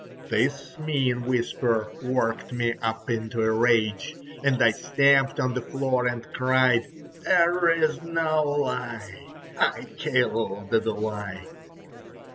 This mean whisper worked me up into a rage, and I stamped on the floor and cried: "There is no lie! I killed the lie."